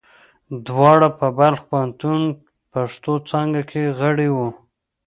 دواړه په بلخ پوهنتون پښتو څانګه کې غړي وو.